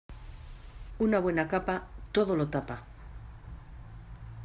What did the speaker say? Una buena capa todo lo tapa.